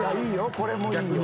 これもいいよ。